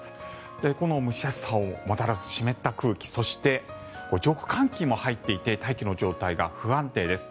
この蒸し暑さをもたらす湿った空気そして、上空に寒気も入っていて大気の状態が不安定です。